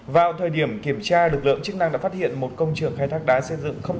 vào thời điểm kiểm tra lực lượng chức năng đã phát hiện một công trường khai thác đá xây dựng không